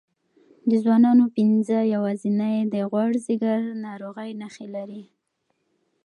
د ځوانانو پنځه یوازینۍ د غوړ ځیګر ناروغۍ نښې لري.